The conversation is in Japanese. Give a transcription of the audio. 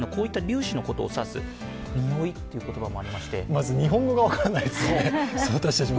まず、日本語が分からないですね、私たちも。